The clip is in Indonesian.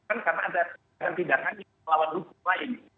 karena ada tindakan yang melawan hukum lain